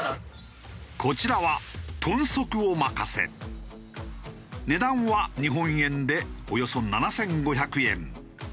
こちらは値段は日本円でおよそ７５００円。